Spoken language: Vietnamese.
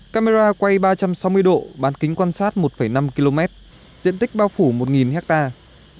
camera quay ba trăm sáu mươi độ bán kính quan sát một năm km diện tích bao phủ một hectare